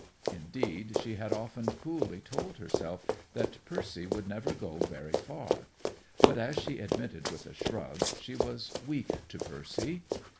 Indeed, she had often coolly told herself that Percy would never go very far. But, as she admitted with a shrug, she was "weak to Percy."